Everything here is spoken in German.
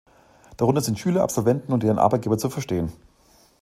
Darunter sind Schüler, Absolventen und deren Arbeitgeber zu verstehen.